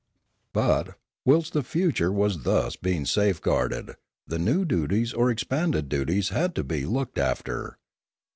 But, whilst the future was thus being safeguarded, the new duties or expanded duties had to be looked after.